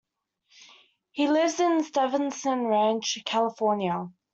He lives in Stevenson Ranch, California.